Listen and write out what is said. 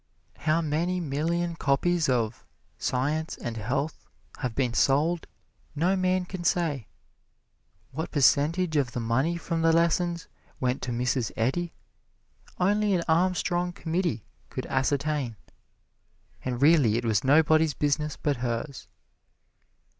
How many million copies of "Science and Health" have been sold, no man can say. What percentage of the money from the lessons went to Mrs. Eddy, only an Armstrong Committee could ascertain, and really it was nobody's business but hers.